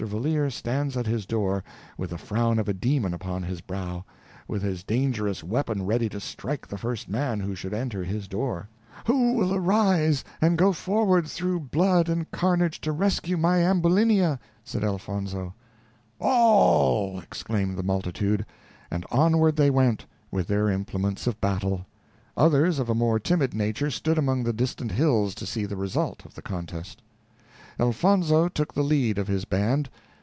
Valeer stands at his door with the frown of a demon upon his brow, with his dangerous weapon ready to strike the first man who should enter his door. "Who will arise and go forward through blood and carnage to the rescue of my Ambulinia?" said Elfonzo. "All," exclaimed the multitude; and onward they went, with their implements of battle. Others, of a more timid nature, stood among the distant hills to see the result of the contest. Elfonzo took the lead of his band.